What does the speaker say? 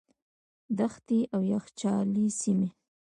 دښتې او یخچالي سیمې.